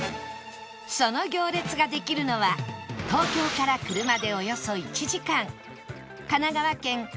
その行列ができるのは東京から車でおよそ１時間神奈川県三浦